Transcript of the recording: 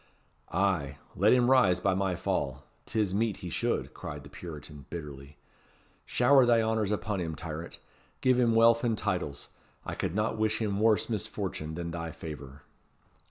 "Ay, let him rise by my fall. 'Tis meet he should," cried the Puritan, bitterly. "Shower thy honours upon him, tyrant. Give him wealth and titles. I could not wish him worse misfortune than thy favour."